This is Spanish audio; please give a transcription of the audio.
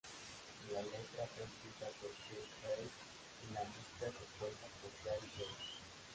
La letra fue escrita por Keith Reid y la música compuesta por Gary Brooker.